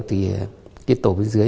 thì cái tổ bên dưới